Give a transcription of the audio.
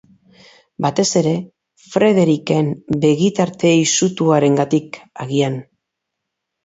Batez ere Frederiken begitarte izutuarengatik, agian.